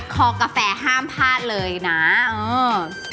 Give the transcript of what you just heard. คอกาแฟห้ามพลาดเลยนะเออ